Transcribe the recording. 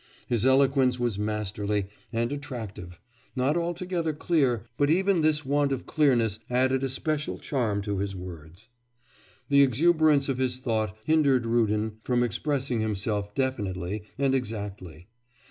His eloquence was masterly and attractive, not altogether clear, but even this want of clearness added a special charm to his words. The exuberance of his thought hindered Rudin from expressing himself definitely and exactly.